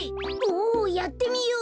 おやってみよう！